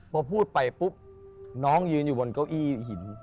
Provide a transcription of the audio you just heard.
พอพูดไปปุ๊บน้องยืนอยู่บนเก้าอี้หิน